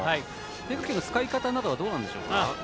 変化球の使い方などはどうなんでしょうか？